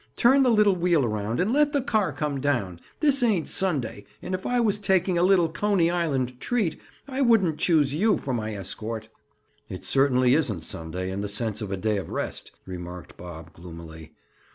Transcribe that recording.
Turn the little wheel around and let the car come down. This ain't Sunday, and if I was taking a little Coney Island treat, I wouldn't choose you for my escort." "It certainly isn't Sunday in the sense of a day of rest," remarked Bob gloomily.